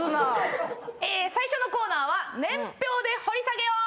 最初のコーナーは「年表で掘り下げよう！！」。